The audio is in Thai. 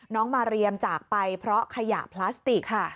น้องมาเรียมจากไปเพราะขยะพลาสติกค่ะ